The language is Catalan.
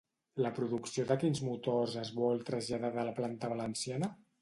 La producció de quins motors es vol traslladar de la planta valenciana?